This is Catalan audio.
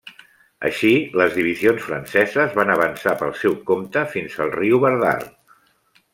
Així, les divisions franceses van avançar pel seu compte fins al riu Vardar.